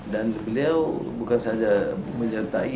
dan beliau bukan saja menyertai